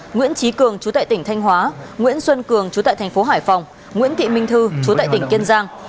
nguyễn trí cường chú tại tỉnh thanh hóa nguyễn xuân cường chú tại thành phố hải phòng nguyễn thị minh thư chú tại tỉnh kiên giang